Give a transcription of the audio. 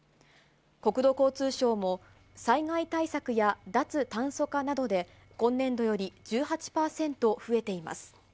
国土交通省も、災害対策や脱炭素化などで、今年度より１８％増えています。